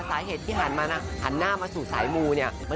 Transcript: สาเหตุที่หันหน้ามาสู่สายมูนะ